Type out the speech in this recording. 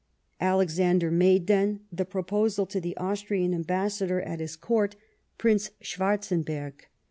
* Alexander made, then, the proposal to the Austrian ambassador at his Court, Prince Schwarzenberg.